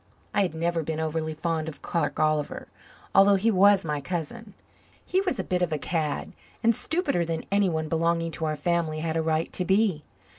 I had never been overly fond of Clark Oliver, although he was my cousin. He was a bit of a cad, and stupider than anyone belonging to our family had a right to be.